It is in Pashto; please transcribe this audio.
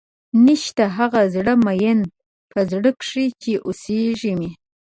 نيشته هغه زړۀ ميئن پۀ زړۀ کښې چې اوسېږي مې